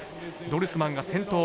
ドルスマンが先頭。